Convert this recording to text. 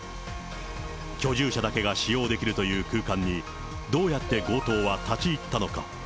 居住者だけが使用できるという空間にどうやって強盗は立ち入ったのか。